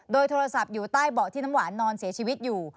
โดยโทรศัพท์อยู่ใต้เบาะที่น้ำหวานนอนเสียชีวิตอยู่